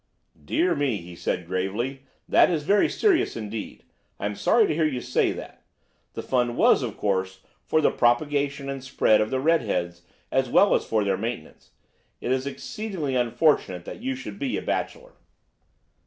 "'Dear me!' he said gravely, 'that is very serious indeed! I am sorry to hear you say that. The fund was, of course, for the propagation and spread of the red heads as well as for their maintenance. It is exceedingly unfortunate that you should be a bachelor.